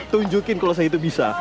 tunjukin kalau saya itu bisa